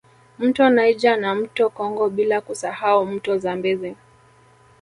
Mto Niger na mto Congo bila kusahau mto Zambezi